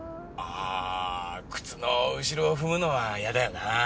あ靴の後ろ踏むのは嫌だよなぁ。